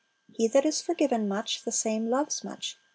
He that is forgiven much, the same loves much.